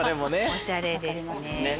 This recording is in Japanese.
おしゃれですね。